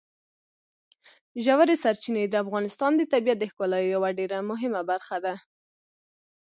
ژورې سرچینې د افغانستان د طبیعت د ښکلا یوه ډېره مهمه برخه ده.